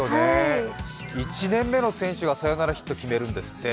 １年目の選手がサヨナラヒットを決めるんですって。